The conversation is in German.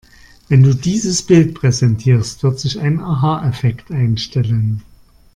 Wenn du dieses Bild präsentierst, wird sich ein Aha-Effekt einstellen.